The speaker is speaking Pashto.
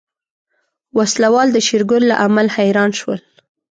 وسله وال د شېرګل له عمل حيران شول.